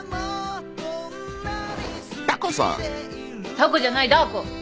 タコじゃないダー子。